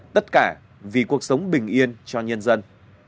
tất cả vì cuộc sống bình yên cho nhân dân